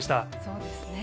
そうですね。